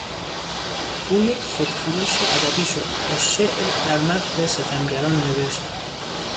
او یک خودفروش ادبی شد و شعر در مدح ستمگران نوشت.